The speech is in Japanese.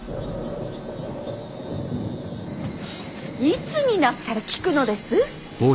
いつになったら効くのです。